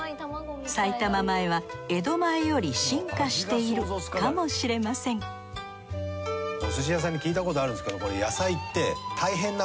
埼玉前は江戸前より進化しているかもしれませんお寿司屋さんに聞いたことあるんですけど。